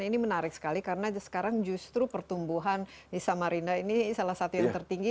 ini menarik sekali karena sekarang justru pertumbuhan di samarinda ini salah satu yang tertinggi